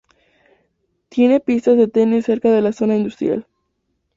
Tiene Pistas de Tenis cerca de la zona industrial.